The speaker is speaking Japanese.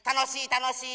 たのしい